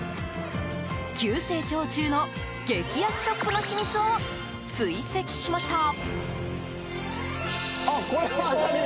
急成長中の激安ショップの秘密を追跡しました。